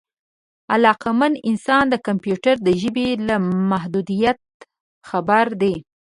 عقلمن انسان د کمپیوټر د ژبې له محدودیت خبر دی.